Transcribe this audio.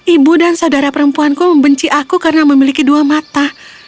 ibu dan saudara perempuanku membenci aku karena memiliki dua mata